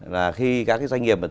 là khi các cái doanh nghiệp